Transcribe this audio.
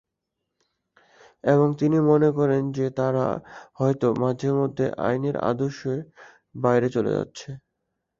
এবং তিনি মনে করেন যে তারা হয়তো মাঝে মধ্যে আইনের আদর্শের বাইরে চলে যাচ্ছে।